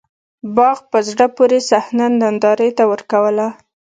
باغ په زړه پورې صحنه نندارې ته ورکوّله.